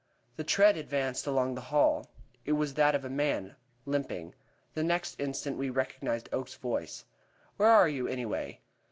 The tread advanced along the hall. It was that of a man, limping. The next instant we recognized Oakes's voice: "Where are you, anyway?"